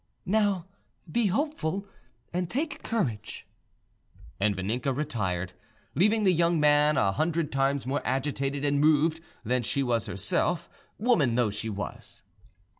"Now be hopeful and take courage;" and Vaninka retired, leaving the young man a hundred times more agitated and moved than she was herself, woman though she was.